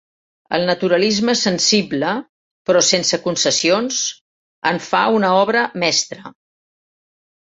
El naturalisme sensible, però sense concessions, en fa una obra mestra.